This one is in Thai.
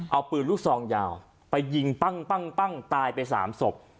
เอาปืนลูกซองยาวไปยิงปั้งปั้งปั้งตายไปสามศพ